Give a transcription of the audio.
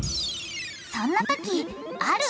そんなときある